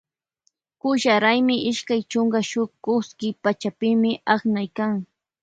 Kulla raymi ishkay chunka shuk kuski pachapimi aknaykan.